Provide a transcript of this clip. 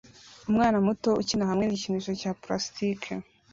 Umwana muto ukina hamwe nigikinisho cya plastiki